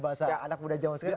bahasa anak muda jaman sekalian